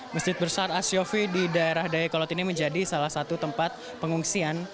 masjid besar asyofi di daerah dayakolot ini menjadi salah satu tempat pengungsian